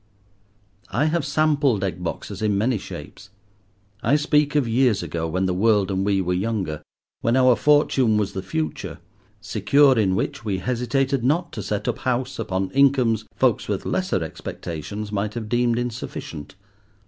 I have sampled egg boxes in many shapes. I speak of years ago, when the world and we were younger, when our fortune was the Future; secure in which, we hesitated not to set up house upon incomes folks with lesser expectations might have deemed insufficient.